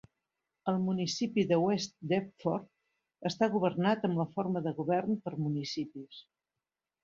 El municipi de West Depford està governat amb la forma de govern per municipis.